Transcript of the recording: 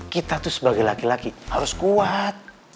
kita tuh sebagai laki laki harus kuat